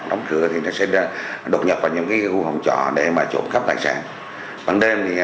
đóng cửa thì nó sẽ đột nhập vào những khu vòng trò để mà trộm cắp tài sản